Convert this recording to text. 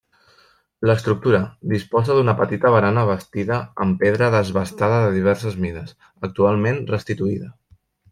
L'estructura disposa d'una petita barana bastida amb pedra desbastada de diverses mides, actualment restituïda.